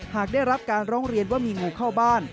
หากได้รับการร้องเรียนว่ามีงูเข้าบ้าน